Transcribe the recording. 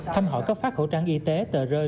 thăm hỏi cấp phát khẩu trang y tế tờ rơi